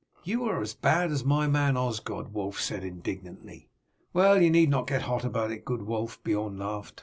"You are as bad as my man Osgod," Wulf said indignantly. "Well, you need not get hot about it, good Wulf," Beorn laughed.